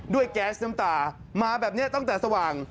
แก๊สน้ำตามาแบบนี้ตั้งแต่สว่าง